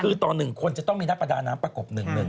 คือต่อ๑คนจะต้องมีนักประดาน้ำประกบ๑๑